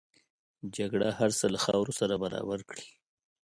جګړه هر څه له خاورو سره برابر کړي